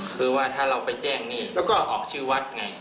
คือว่าถ้าเราไปแจ้งหนี้แล้วก็ออกชื่อวัดไง